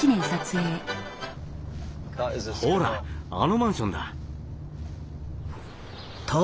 ほらあのマンションだ。